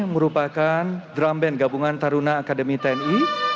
merupakan drum band gabungan taruna akademi tni